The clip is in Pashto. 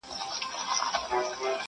• په نامه یې جوړېدلای معبدونه -